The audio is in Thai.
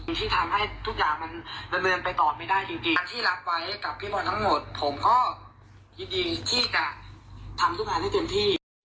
ยินดีที่จะทำทุกอย่างให้เต็มที่